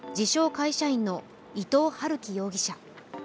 ・会社員の伊藤龍稀容疑者。